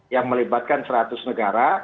yang melibatkan seratus negara